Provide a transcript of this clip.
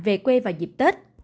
về quê vào dịp tết